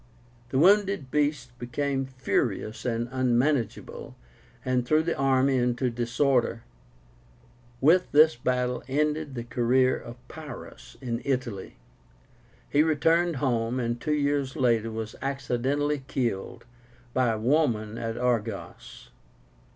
The wounded beasts became furious and unmanageable, and threw the army into disorder. With this battle ended the career of Pyrrhus in Italy. He returned home, and two years later was accidentally killed by a woman at Argos.